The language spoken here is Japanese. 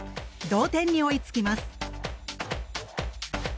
同点に追いつきます。